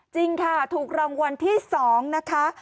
จริงค่ะถูกรางวัลที่๒นะคะ